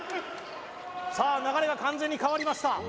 さあ流れが完全に変わりました